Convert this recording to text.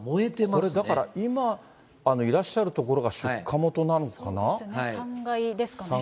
これだから、今いらっしゃる所が出火元なのかな。